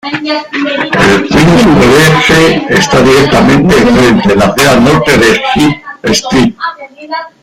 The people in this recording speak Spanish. El Queen's College está directamente en frente, en la acera norte de High Street.